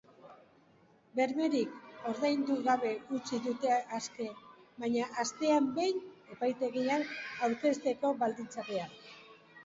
Bermerik ordaindu gabe utzi dute aske, baina astean behin epaitegian aurkezteko baldintzapean.